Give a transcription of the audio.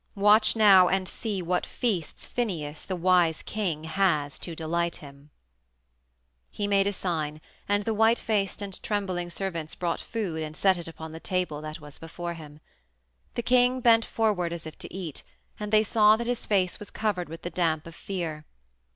Watch now and see what feasts Phineus, the wise king, has to delight him." He made a sign, and the white faced and trembling servants brought food and set it upon the table that was before him. The king bent forward as if to eat, and they saw that his face was covered with the damp of fear.